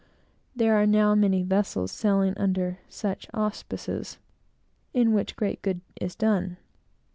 There are now many vessels sailing under such auspices, in which great good is done.